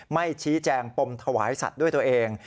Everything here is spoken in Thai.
ไม่ชี้แจงปมถวายสัตว์ด้วยตัวเอง